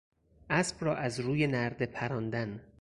اسب را از روی نرده پراندن